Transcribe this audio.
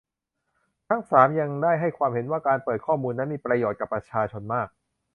ทั้ง สาม ยังได้ให้ความเห็นว่า การเปิดข้อมูลนั้นมีประโยชน์ กับ ประชาชนมาก